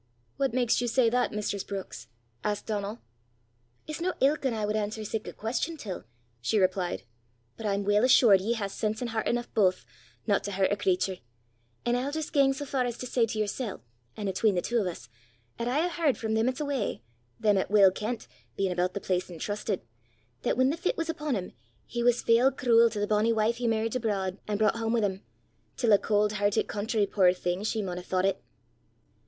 "What makes you say that, mistress Brookes?" asked Donal. "It's no ilk ane I wud answer sic a queston til," she replied; "but I'm weel assured ye hae sense an' hert eneuch baith, no to hurt a cratur; an' I'll jist gang sae far as say to yersel', an' 'atween the twa o' 's, 'at I hae h'ard frae them 'at's awa' them 'at weel kent, bein' aboot the place an' trustit that whan the fit was upo' him, he was fell cruel to the bonnie wife he merriet abro'd an' broucht hame wi' him til a cauld hertit country, puir thing, she maun hae thoucht it!"